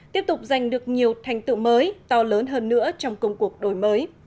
tiếp tục giành được nhiều thành tựu mới to lớn hơn nữa trong công cuộc đổi mới